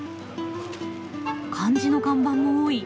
漢字の看板も多い。